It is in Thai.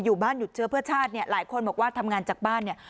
อยู่บ้านหยุดเชื้อเพื่อชาติเนี่ยหลายคนบอกว่าทำงานจากบ้านเนี่ย